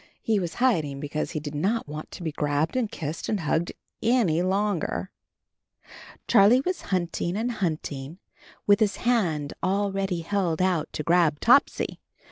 He was hiding because he did not want to be grabbed and kissed and hugged any longer. Charlie was hunting and hunting with his hand already held out to grab Topsy, when t t 1 • J »» f